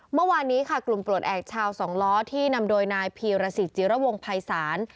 เมื่อวานนี้ค่ะกลุ่มปลดแอบชาวสองล้อที่นำโดยนายพีรสิตจิระวงภัยศาล